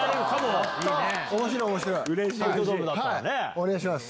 お願いします。